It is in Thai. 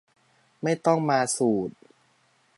ไม่ต้องมาสูตร